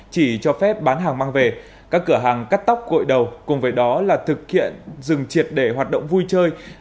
chỉ cho phép bán hàng mang về các cửa hàng cắt tóc gội đầu cùng với đó là thực hiện dừng triệt để hoạt động vui chơi